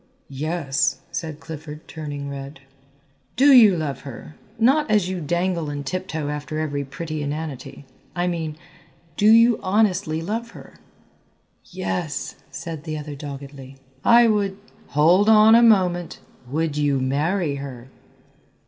"Yes," said Clifford, turning red. "Do you love her, not as you dangle and tiptoe after every pretty inanity I mean, do you honestly love her?" "Yes," said the other doggedly, "I would " "Hold on a moment; would you marry her?"